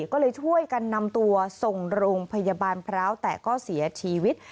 ก็เลยช่วยกันนำตัวส่งโรงพยาบาลพร้าวแต่ก็เสียชีวิต